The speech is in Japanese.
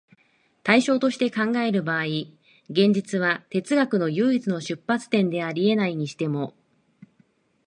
対象として考える場合、現実は哲学の唯一の出発点であり得ないにしても、